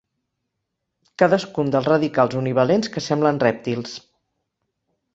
Cadascun dels radicals univalents que semblen rèptils.